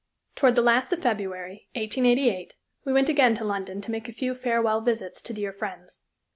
Toward the last of February, 1888, we went again to London to make a few farewell visits to dear friends.